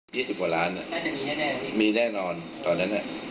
ยี่สิบหว่าร้านน่ะมีแน่น่ะมีแน่นอนตอนนั้นอ่ะ